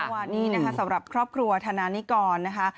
วันนี้นะคะสำหรับครอบครัวธนานิกรนะคะ